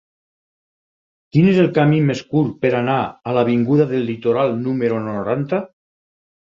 Quin és el camí més curt per anar a l'avinguda del Litoral número noranta?